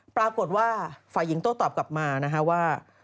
ปรากฏว่าฝ่ายหญิงโต้ตอบกลับมานะฮะว่า